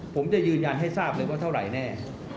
ผมจะยืนยันให้ทราบเลยว่าเท่าไหร่แน่